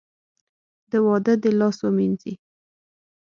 د واده دې لاس ووېنځي .